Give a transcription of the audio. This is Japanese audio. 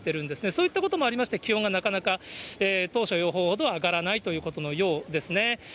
そういったこともありまして、気温がなかなか当初の予報ほどは上がらないということのようですね。